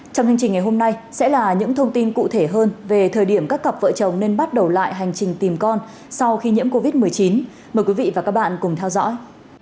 trong hành trình ngày hôm nay sẽ là những thông tin cụ thể hơn về thời điểm các cặp vợ chồng nên bắt đầu lại hành trình tìm con sau khi nhiễm covid một mươi chín mời quý vị và các bạn cùng theo dõi